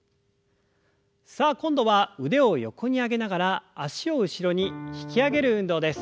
さあ今度は腕を横に上げながら脚を後ろに引き上げる運動です。